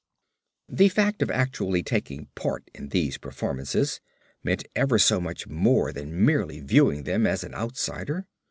The fact of actually taking part in these performances meant ever so much more than merely viewing them as an outsider.